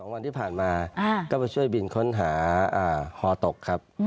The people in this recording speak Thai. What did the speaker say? วันที่ผ่านมาก็ไปช่วยบินค้นหาฮอตกครับ